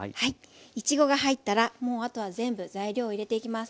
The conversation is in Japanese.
いちごが入ったらもうあとは全部材料を入れていきます。